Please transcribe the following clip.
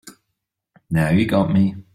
Now you got me.